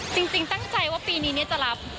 จริงตั้งใจว่าปีนี้จะรับ